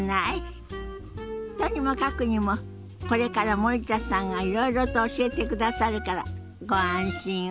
とにもかくにもこれから森田さんがいろいろと教えてくださるからご安心を。